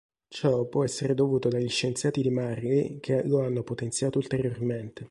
Ciò può essere dovuto dagli scienziati di Marley che lo hanno potenziato ulteriormente.